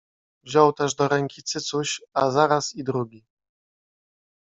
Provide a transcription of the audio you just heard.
Wziął też do ręki cycuś, a zaraz i drugi